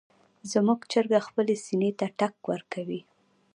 زموږ چرګه خپلې سینې ته ټک ورکوي.